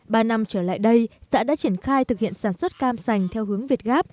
ba năm trở lại đây xã đã triển khai thực hiện sản xuất cam sành theo hướng việt gáp